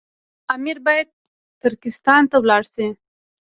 امیر باید ترکستان ته ولاړ شي.